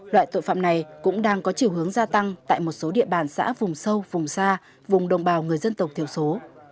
loại tội phạm này cũng đang có chiều hướng gia tăng tại một số địa bàn xã vùng sâu vùng xa vùng đồng bào người dân tộc thiểu số